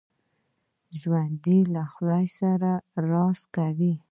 ژوندي له خدای سره راز کوي